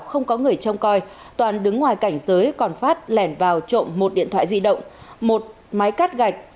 không có người trông coi toàn đứng ngoài cảnh giới còn phát lẻn vào trộm một điện thoại di động một máy cắt gạch